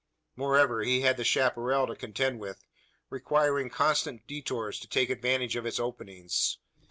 Moreover, he had the chapparal to contend with, requiring constant detours to take advantage of its openings.